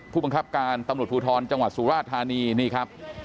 ผู้บังคับการตำรวจภูทรจังหวัดสุราธานีนี่ครับ